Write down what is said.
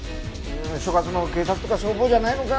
所轄の警察とか消防じゃないのか？